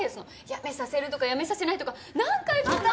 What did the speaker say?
辞めさせるとか辞めさせないとか何回こんな。